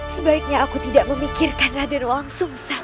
sebaiknya aku tidak memikirkan raden langsung sang ayah